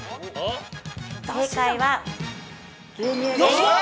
◆正解は、牛乳です。